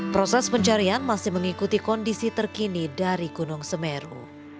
proses pencarian masih mengikuti kondisi terkini dari gunung semeru